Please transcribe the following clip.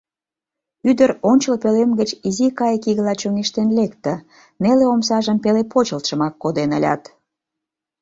Ӱдыр ончыл пӧлем гыч изи кайыкигыла чоҥештен лекте, неле омсажым пеле почылтшымак коден ылят.